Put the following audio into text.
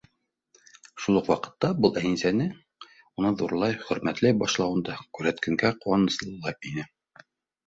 Шул уҡ ваҡытта был Әнисәнең уны ҙурлай, хөрмәтләй башлауын да күрһәткәнгә ҡыуаныслы ла ине.